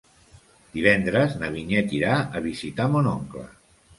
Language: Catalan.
Divendres na Vinyet irà a visitar mon oncle.